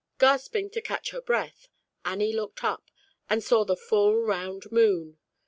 Gasping to catch her breath, Annie looked up and saw the full round moon.